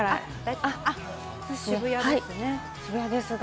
渋谷ですね。